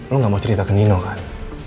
lo gak mau cerita ke nino kan